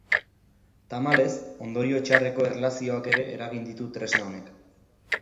Tamalez, ondorio txarreko erlazioak ere eragin ditu tresna honek.